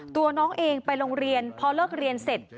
ตัวน้องเองไปโรงเรียนพอเลิกเรียนเสร็จ